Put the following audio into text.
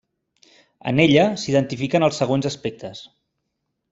En ella s'identifiquen els següents aspectes.